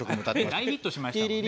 大ヒットしましたもんね。